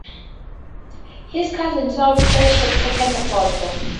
His cousin Saul Fletcher had taken the photo.